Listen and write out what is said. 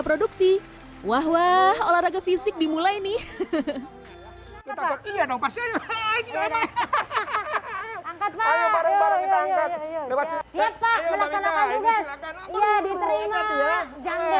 produksi wah wah olahraga fisik dimulai nih hehehe kita takut iya dong pasti lagi enggak enggak enggak